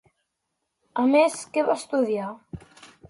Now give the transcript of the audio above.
A més, què va estudiar?